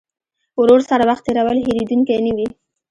ورور سره وخت تېرول هېرېدونکی نه وي.